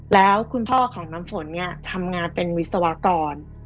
แล้วคุณพ่อของน้ำฝนเนี่ยทำงานเป็นวิศวกร